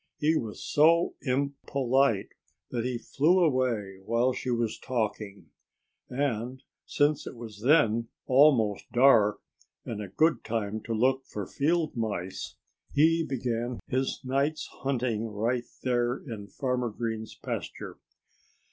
He was so impolite that he flew away while she was talking. And since it was then almost dark, and a good time to look for field mice, he began his night's hunting right there in Farmer Green's pasture.